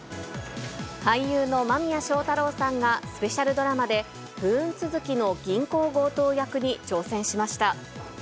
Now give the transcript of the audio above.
俳優の間宮祥太朗さんが、スペシャルドラマで、不運続きの銀行強盗役に挑戦しました。